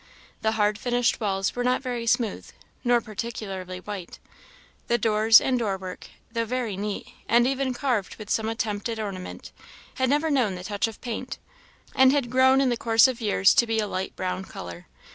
The hard finished walls were not very smooth, nor particularly white. The doors and wood work, though very neat, and even carved with some attempt at ornament, had never known the touch of paint, and had grown in the course of years to be a light brown colour.